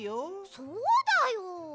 そうだよ！